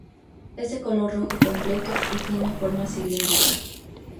Es de color rojo completo y tiene forma cilíndrica.